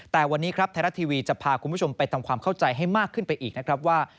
แต่วันนี้ครับไทยรัฐทีวีจะพาคุณผู้ชมไปทำความเข้าใจให้มากขึ้นไปอีกนะครับว่า